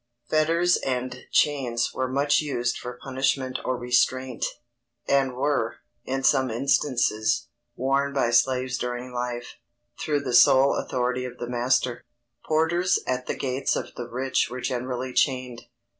_Fetters and chains were much used for punishment or restraint, and were, in some instances, worn by slaves during life, through the sole authority of the master. Porters at the gates of the rich were generally chained.